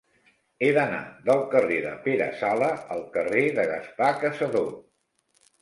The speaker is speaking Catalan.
He d'anar del carrer de Pere Sala al carrer de Gaspar Cassadó.